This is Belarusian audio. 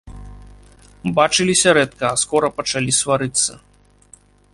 Бачыліся рэдка, а скора пачалі сварыцца.